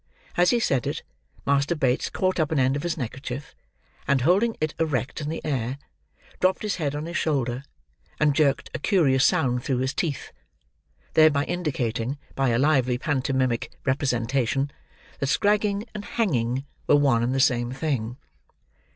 As he said it, Master Bates caught up an end of his neckerchief; and, holding it erect in the air, dropped his head on his shoulder, and jerked a curious sound through his teeth; thereby indicating, by a lively pantomimic representation, that scragging and hanging were one and the same thing.